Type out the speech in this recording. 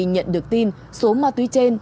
nhận được tin số ma túy trên